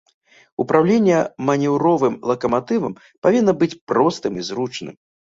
Упраўленне манеўровым лакаматывам павінна быць простым і зручным.